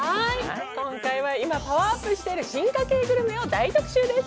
今回は今、パワーアップしている進化系グルメを大特集です。